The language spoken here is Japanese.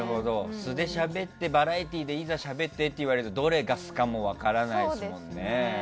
素でしゃべってバラエティーでしゃべってっていざ言われるとどれが素かも分からないしね。